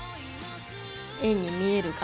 円に見えるかな。